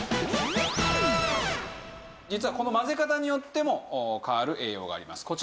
実はこの混ぜ方によっても変わる栄養があります。